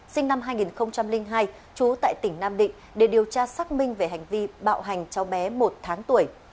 sinh năm hai nghìn hai trú tại tỉnh nam định để điều tra xác minh về hành vi bạo hành cháu bé một tháng tuổi